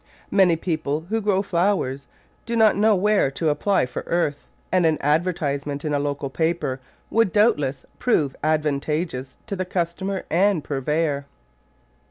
Many people who grow flowers do not know where to apply for earth, and an advertisement in a Digitized by Google two] &oa* 21 local paper would, doubtless, prove advantageous to customer and purveyor.